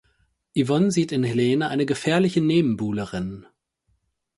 Yvonne sieht in Helene eine gefährliche Nebenbuhlerin.